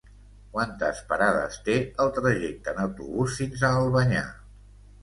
Quantes parades té el trajecte en autobús fins a Albanyà?